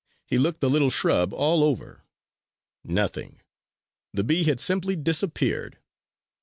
He looked the little shrub all over. Nothing! The bee had simply disappeared!